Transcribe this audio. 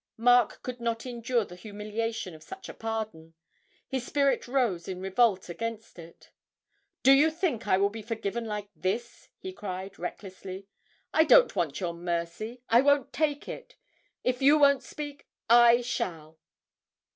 Mark could not endure the humiliation of such a pardon his spirit rose in revolt against it. 'Do you think I will be forgiven like this?' he cried, recklessly. 'I don't want your mercy! I won't take it! If you won't speak, I shall!'